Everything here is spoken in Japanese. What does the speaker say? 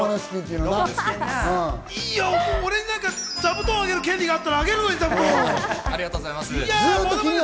俺、座布団あげる権利があったらあげるよ、座布団！